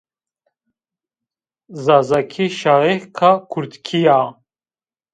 Zazakî şaxêka kurdkî ya.